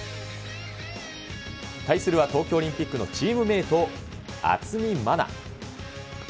対するは東京オリンピックのチームメート、渥美万奈。